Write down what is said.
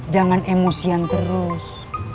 jangan emosian terus